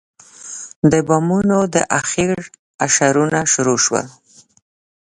د بامونو د اخېړ اشارونه شروع شول.